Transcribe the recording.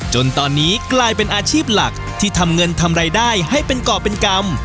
จนตอนนี้กลายเป็นอาชีพหลักที่ทำเงินทำรายได้ให้เป็นเกาะเป็นกรรม